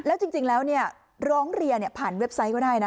แล้วจริงแล้วร้องเรียนผ่านเว็บไซต์ก็ได้นะ